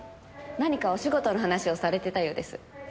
何かお仕事の話をされてたようです。